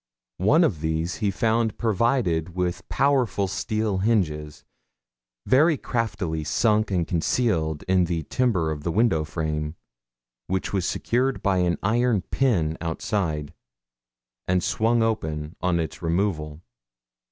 One of these he found provided with powerful steel hinges, very craftily sunk and concealed in the timber of the window frame, which was secured by an iron pin outside, and swung open on its removal.